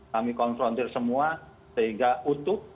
kami konfrontir semua sehingga utuh